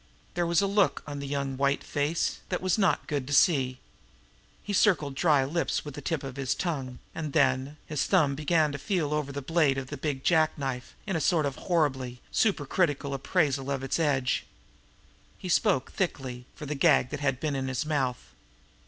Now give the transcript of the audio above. There was a look on the young, white face that was not good to see. He circled dry lips with the tip of his tongue and then his thumb began to feel over the blade of the big jack knife in a sort of horribly supercritical appraisal of its edge. He spoke thickly for the gag that had been in his mouth.